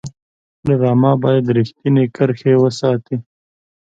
ډرامه باید رښتینې کرښې وساتي